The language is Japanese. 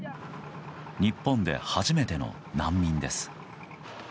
日本で初めての難民です。